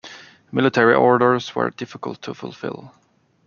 Military orders where difficult to fulfill.